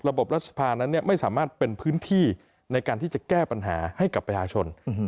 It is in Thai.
รัฐสภานั้นไม่สามารถเป็นพื้นที่ในการที่จะแก้ปัญหาให้กับประชาชน